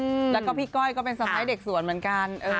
อืมแล้วก็พี่ก้อยก็เป็นสะพ้ายเด็กสวนเหมือนกันเออ